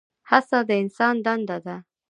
هڅه د انسان دنده ده؟